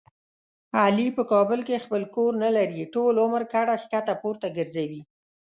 علي په کابل کې خپل کور نه لري. ټول عمر کډه ښکته پورته ګرځوي.